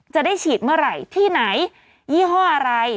จะได้ฉีดเมื่อไหร่ที่ไหนยี่ห้ออะไร